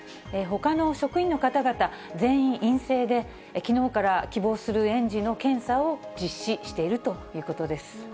ほかの職員の方々、全員陰性で、きのうから希望する園児の検査を実施しているということです。